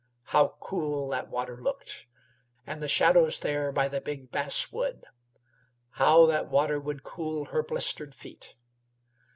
How cool that water looked! And the shadows there by the big basswood! How that water would cool her blistered feet.